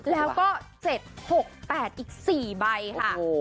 แล้วก็๗๖๘อีก๔ใบค่ะ